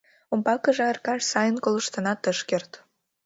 Умбакыже Аркаш сайын колыштынат ыш керт.